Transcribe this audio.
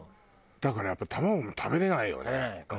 だからやっぱり卵も食べれないよね多分。